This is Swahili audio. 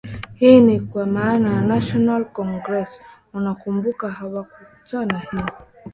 hii ni kwa maana national congress unakumbuka hawakutaka hii